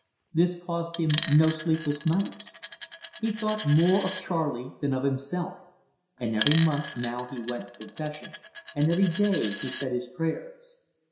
This caused him no sleepless nights. He thought more of Charley than of himself, and every month now he went to confession, and every day he said his prayers.